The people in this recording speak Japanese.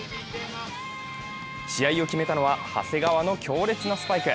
試合を決めたのは、長谷川の強烈なスパイク。